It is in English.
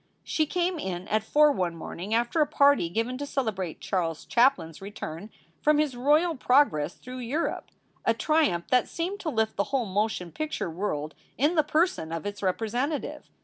She came in at four one morning after a party given to celebrate Charles Chaplin s return from his royal progress through Europe, a triumph that seemed to lift the whole motion picture world in the person of its representative.